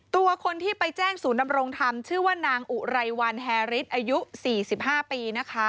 ตัวคนที่ไปแจ้งศูนย์ดำรงธรรมชื่อว่านางอุไรวันแฮริสอายุ๔๕ปีนะคะ